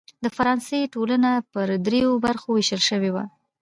د فرانسې ټولنه پر دریوو برخو وېشل شوې وه.